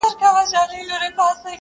افغانيت د جامديت څخه راووځي